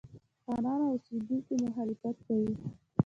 خانان او اوسېدونکي مخالفت کوي.